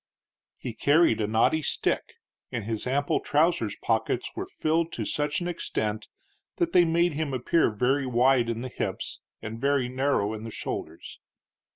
He carried a knotty stick, and his ample trousers pockets were filled to such an extent that they made him appear very wide in the hips and very narrow in the shoulders.